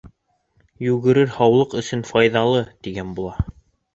Йүгереү һаулыҡ өсөн файҙалы, тигән була.